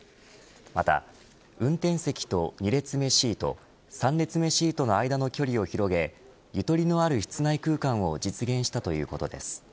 また、運転席と２列目シート３列目シートの間の距離を広げゆとりのある室内空間を実現したということです。